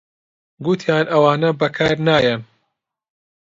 گوتیان ئەوانە بەکار نایەن